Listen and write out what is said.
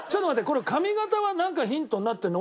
これ髪形はなんかヒントになってるの？